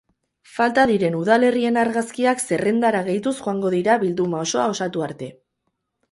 Falta diren udalerrien argazkiak zerrendara gehituz joango dira bilduma osoa osatu arte.